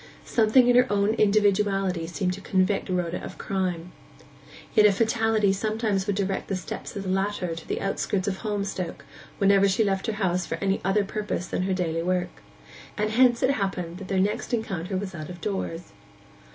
Something in her own individuality seemed to convict Rhoda of crime. Yet a fatality sometimes would direct the steps of the latter to the outskirts of Holmstoke whenever she left her house for any other purpose than her daily work; and hence it happened that their next encounter was out of doors.